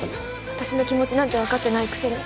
私の気持ちなんてわかってないくせに。